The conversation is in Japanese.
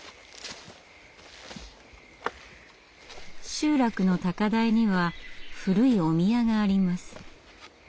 集落の高台には古いお宮があります。